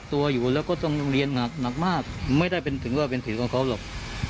ตัวอยู่แล้วก็ต้องเรียนหนักมากไม่ได้เป็นถึงว่าเป็นสิทธิ์ของเขาหรอก